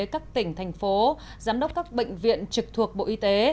các tỉnh thành phố giám đốc các bệnh viện trực thuộc bộ y tế